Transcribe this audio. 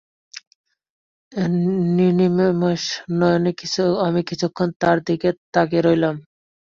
নির্নিমেষ নয়নে আমি কিছুক্ষণ তার দিকে তাকিয়ে রইলাম।